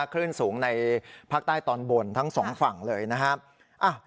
คลื่นสูงในภาคใต้ตอนบนทั้งสองฝั่งเลยนะครับ